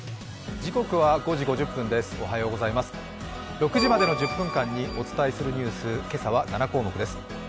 ６時までの１０分間にお伝えするニュース、今朝は７項目です。